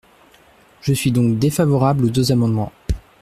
Je suis donc défavorable aux deux amendements.